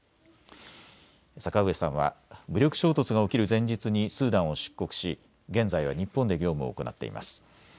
阪上さんは武力衝突が起きる前日にスーダンを出国し現在は日本で業務を行っています。